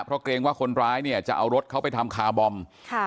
เพราะเกรงว่าคนร้ายเนี่ยจะเอารถเขาไปทำคาร์บอมค่ะ